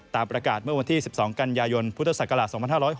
ตามประกาศเมื่อวันที่๑๒กันยายนพุทธศักราช๒๕๖๖